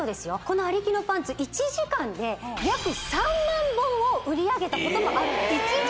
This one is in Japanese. このＡＲＩＫＩのパンツ１時間で約３万本を売り上げたこともあるんです